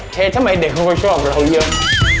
ทำไมเด็กเขาก็ชอบเราเยอะ